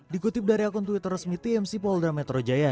dikutip dari akun twitter resmi tmc polda metro jaya